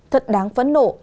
thật đáng phấn nộ